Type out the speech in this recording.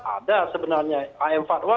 ada sebenarnya am fatwa